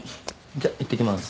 じゃあいってきます。